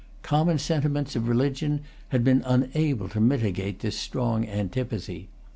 Common sentiments of religion had been unable to mitigate this strong antipathy.